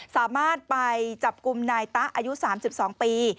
สามารถไปจับกลุ่มนายตะอายุ๓๒ปี